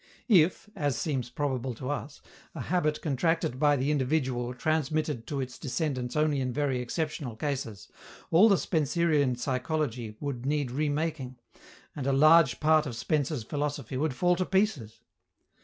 If (as seems probable to us) a habit contracted by the individual were transmitted to its descendants only in very exceptional cases, all the Spencerian psychology would need remaking, and a large part of Spencer's philosophy would fall to pieces.